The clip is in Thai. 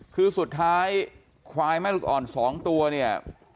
คือสุดท้ายควายแม่ลูกอ่อน๒ตัวเนี่ย